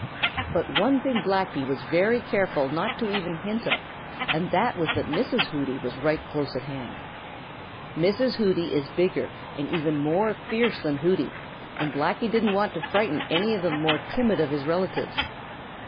But one thing Blacky was very careful not to even hint of, and that was that Mrs. Hooty was right close at hand. Mrs. Hooty is bigger and even more fierce than Hooty, and Blacky didn't want to frighten any of the more timid of his relatives.